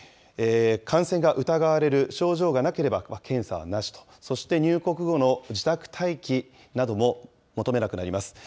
感染が疑われる症状がなければ検査はなしと、そして入国後の自宅待機なども求めなくなります。